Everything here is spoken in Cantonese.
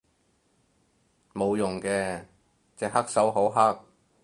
冇用嘅，隻黑手好黑